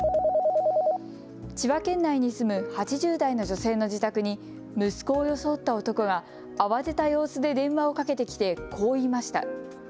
千葉県内に住む８０代の女性の自宅に息子を装った男が慌てた様子で電話をかけてきてこう言いました。